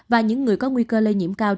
và những người có nguy cơ lây nhiễm cao